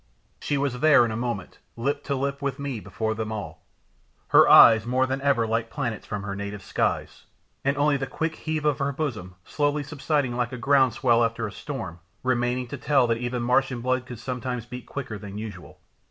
There she was in a moment, lip to lip with me, before them all, her eyes more than ever like planets from her native skies, and only the quick heave of her bosom, slowly subsiding like a ground swell after a storm, remaining to tell that even Martian blood could sometimes beat quicker than usual!